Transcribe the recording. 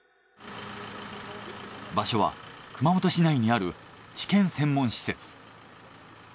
場所は熊本市内にある治験専門施設。